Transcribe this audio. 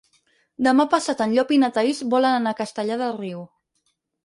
Demà passat en Llop i na Thaís volen anar a Castellar del Riu.